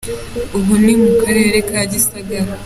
Ubu ni mu Karere ka Gisagara.